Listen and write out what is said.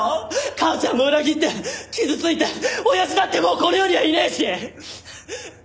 母ちゃんも裏切って傷ついて親父だってもうこの世にはいねえし！